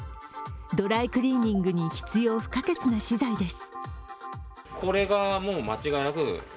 ドライクリーニングに必要不可欠な資材です。